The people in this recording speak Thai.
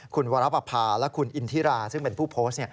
คุณวรปภาและคุณอินทิราซึ่งเป็นผู้โพสต์